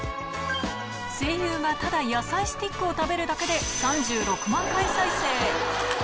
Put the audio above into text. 声優はただ野菜スティックを食べるだけで、３６万回再生。